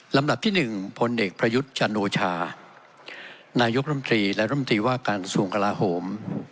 ลำดับที่หนึ่งผลเอกพระยุทธ์จันนูชานายกรมตรีและรมตรีว่าการสูงกระลาฮม